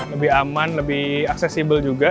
lebih aman lebih aksesibel juga